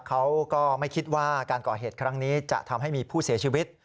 เขาก็ไม่คิดว่าการก่อเหตุครั้งนี้จะทำให้มีผู้เสียชีวิต